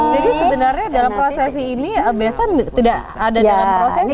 jadi sebenarnya dalam proses ini besan tidak ada dalam prosesnya ya